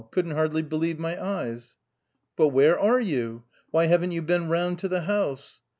Couldn't hardly believe my eyes." "But where are you? Why haven't you been round to the house?"